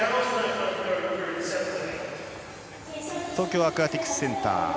東京アクアティクスセンター。